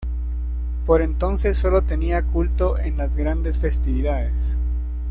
Por entonces solo tenía culto en las grandes festividades.